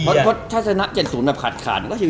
เพราะถ้าชนะ๗๐แบบขาดก็ชิล